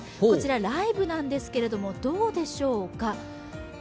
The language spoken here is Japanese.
こちらライブなんですけれども、どうでしょうか。